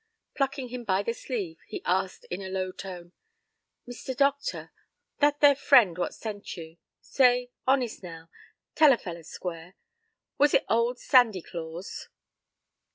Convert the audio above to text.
Plucking him by the sleeve, he asked in a low tone, "Mister doctor, that there friend what sent you. Say, honest now, tell a fellow square. Was it old Sandy Claus?"